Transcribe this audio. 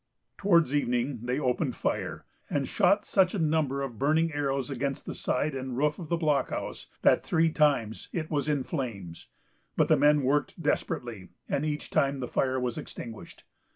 Towards evening, they opened fire, and shot such a number of burning arrows against the side and roof of the blockhouse, that three times it was in flames. But the men worked desperately, and each time the fire was extinguished.